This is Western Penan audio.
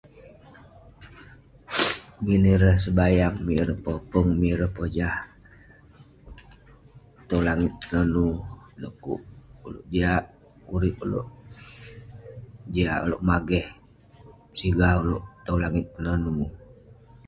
Min ireh sebayang, min ireh popeng, min ireh pojah tong langit toluek [unintelligible] dukuk jiak urip oluek, jiak oluek mageh, meshigah oluek tong langit nenu [unintelligible]